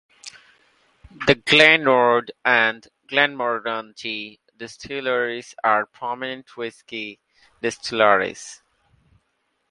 The Glen Ord and Glenmorangie distilleries are prominent whisky distilleries.